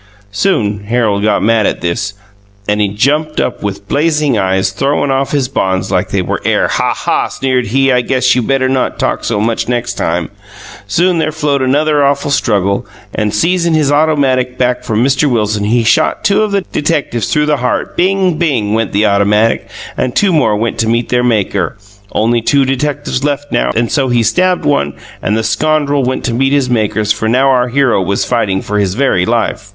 Soon Harold got mad at this and jumped up with blasing eyes throwin off his bonds like they were air Ha Ha sneered he I guess you better not talk so much next time. Soon there flowed another awful struggle and siezin his ottomatick back from Mr Wilson he shot two of the detectives through the heart Bing Bing went the ottomatick and two more went to meet their Maker only two detectives left now and so he stabbed one and the scondrel went to meet his Maker for now our hero was fighting for his very life.